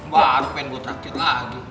baru pengen gue traktir lagi